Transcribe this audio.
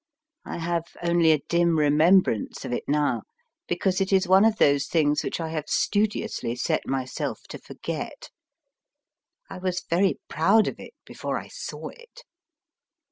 I have only a dim remembrance of it now, because it is one of those things which I have studiously set myself to forget I was very proud of it before I saw it.